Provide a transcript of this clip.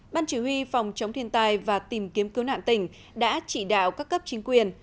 ban chỉ huy phòng chống thiên tai và tìm kiếm cứu nạn tỉnh đã chỉ đạo các cấp chính quyền